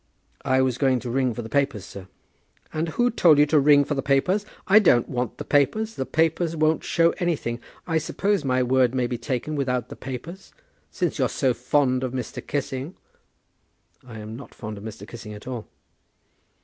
"I was going to ring for the papers, sir." "And who told you to ring for the papers? I don't want the papers. The papers won't show anything. I suppose my word may be taken without the papers. Since you're so fond of Mr. Kissing " "I'm not fond of Mr. Kissing at all."